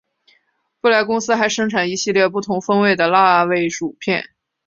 布莱公司还生产一系列不同风味的辣味薯片。